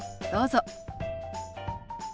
どうぞ。